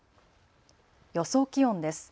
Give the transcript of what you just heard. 予想気温です。